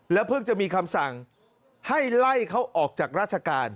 เพิ่งจะมีคำสั่งให้ไล่เขาออกจากราชการ